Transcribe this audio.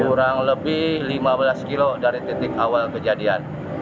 kurang lebih lima belas kilo dari titik awal kejadian